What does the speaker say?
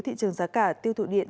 thị trường giá cả tiêu thụ điện